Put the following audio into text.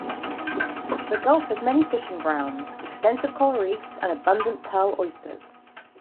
The gulf has many fishing grounds, extensive coral reefs, and abundant pearl oysters.